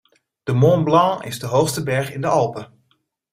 De Mont Blanc is de hoogste berg in de Alpen.